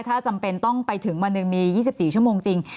ถ้าจำเป็นต้องไปถึงวันหนึ่งมี๒๔ชั่วโมงจริง